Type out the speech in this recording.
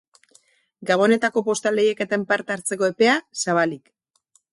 Gabonetako postal lehiaketan parte hartzeko epea, zabalik.